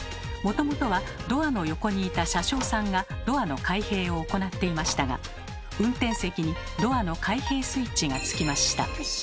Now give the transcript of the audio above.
もともとはドアの横にいた車掌さんがドアの開閉を行っていましたが運転席にドアの開閉スイッチが付きました。